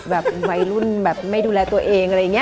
แบบวัยรุ่นแบบไม่ดูแลตัวเองอะไรอย่างนี้